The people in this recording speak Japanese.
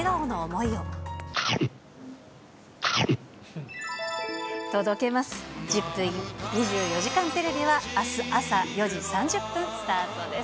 イン２４時間テレビはあす朝４時３０分スタートです。